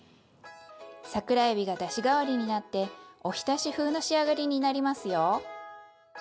桜えびがだし代わりになっておひたし風の仕上がりになりますよ。